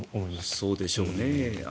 そうでしょうね。